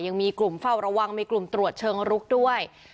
ยังมีกลุ่มเฝ้าระวังมีกลุ่มตรวจเชิงรุกด้วย